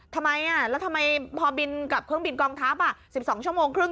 ทำไมแล้วทำไมพอบินกับเครื่องบินกองทัพ๑๒ชั่วโมงครึ่ง